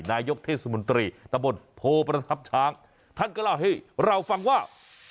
นายกเทศมนตรีตะบนโพประทับช้างท่านก็เล่าให้เราฟังว่า